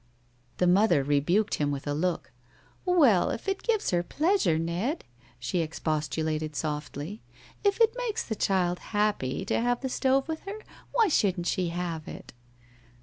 The mother rebuked him with a look. "Well, if it gives her pleasure, Ned?" she expostulated, softly. "If it makes the child happy to have the stove with her, why shouldn't she have it?"